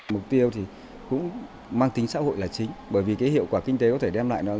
mục tiêu thì cũng mang tính xã hội là chính bởi vì cái hiệu quả kinh tế có thể đem lại nó